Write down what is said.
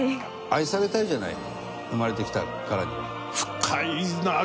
愛されたいじゃない生まれてきたからには。